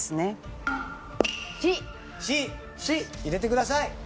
入れてください。